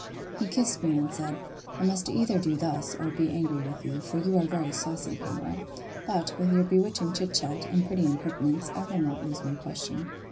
He kissed me, and said, I must either do thus, or be angry with you; for you are very saucy, Pamela.—But, with your bewitching chit chat, and pretty impertinence, I will not lose my question.